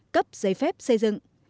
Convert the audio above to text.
cấp giấy phép xây dựng